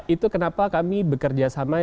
itu kenapa kami bekerja sama